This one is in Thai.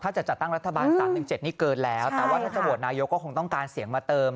ถ้าจะจัดตั้งรัฐบาล๓๑๗นี่เกินแล้วแต่ว่าถ้าจะโหวตนายกก็คงต้องการเสียงมาเติม